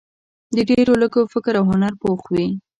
د ډېرو لږو فکر او هنر پوخ وي.